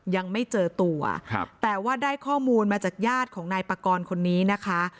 ยังไม่เจอตัวครับแต่ว่าได้ข้อมูลมาจากญาติของนายปากรคนนี้นะคะ